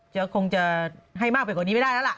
จะจะคงจะให้มากไปกว่านี้ไม่ได้ล่ะ